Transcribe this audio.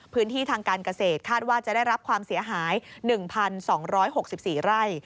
พื้นที่ทางการเกษตรคาดว่าจะได้รับความเสียหาย๑๒๖๔ไร่